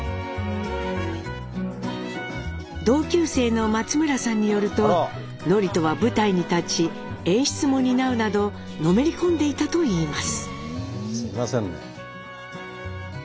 同級生の松村さんによると智人は舞台に立ち演出も担うなどのめり込んでいたといいます。